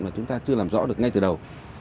mà chúng ta chưa làm rõ được ngay từ đầu